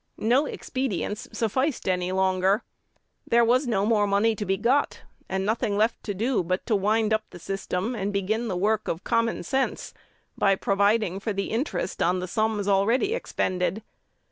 No expedients sufficed any longer. There was no more money to be got, and nothing left to do, but to "wind up the system," and begin the work of common sense by providing for the interest on the sums already expended.